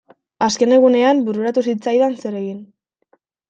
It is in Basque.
Azken egunean bururatu zitzaidan zer egin.